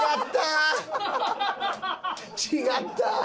違った。